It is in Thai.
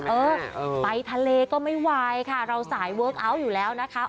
เออไปทะเลก็ไม่ไหวค่ะเราสายเวิร์คเอาท์อยู่แล้วนะคะ